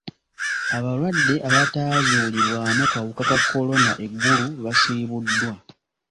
Abalwadde abataazuulibwamu kawuka ka kolona e Gulu basiibuddwa.